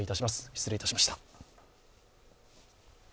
失礼いたしました。